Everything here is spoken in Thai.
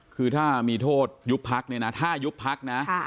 คือถ้ามีโทษยุบพักถ้ายุบพัก